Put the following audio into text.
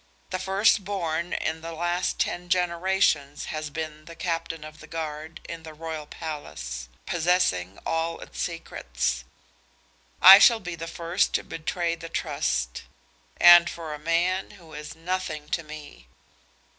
The first born in the last ten generations has been the captain of the guard in the royal palace, possessing all its secrets. I shall be the first to betray the trust and for a man who is nothing to me."